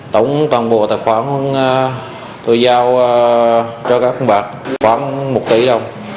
tổng toàn bộ tài khoản tôi giao cho các bạc khoảng một tỷ đồng